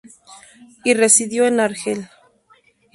Y, residió en Argel.